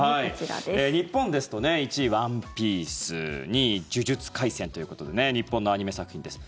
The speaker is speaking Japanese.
日本ですと１位、「ＯＮＥＰＩＥＣＥ」２位、「呪術廻戦」ということで日本のアニメ作品です。